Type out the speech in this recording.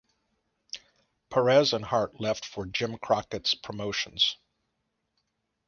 Perez and Hart left for Jim Crockett Promotions.